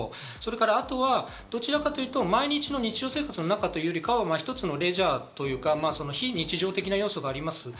あとはどちらかというと毎日の日常生活の中というよりは一つのレジャー、非日常的要素があります。